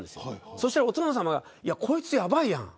そしたらお殿様がこいつやばいやん。